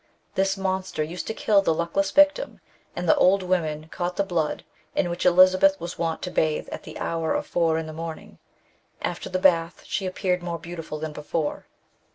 This monster used to kill the luckless victim, and the old women caught the blood, in which Elizabeth was wont to bathe at the hour of four in the morning. After the bath she appeared more beautiful than before.